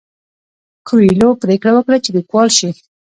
کویلیو پریکړه وکړه چې لیکوال شي.